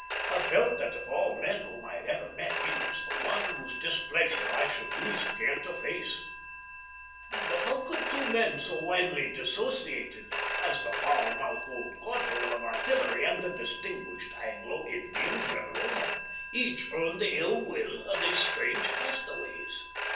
I felt that of all men whom I had ever met he was the one whose displeasure I should least care to face. But how could two men so widely dissociated as the foul mouthed old corporal of artillery and the distinguished Anglo Indian general have each earned the ill will of these strange castaways?